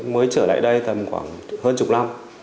mới trở lại đây tầm khoảng hơn chục năm